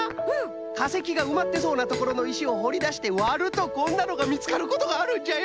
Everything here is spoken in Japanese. かせきがうまってそうなところのいしをほりだしてわるとこんなのがみつかることがあるんじゃよ。